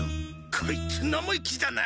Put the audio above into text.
こいつ生意気だな！